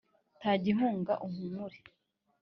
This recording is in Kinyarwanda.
ta igihunga uhumure,